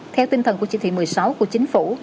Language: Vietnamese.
theo tinh thần của chỉ thị một mươi sáu của chính phủ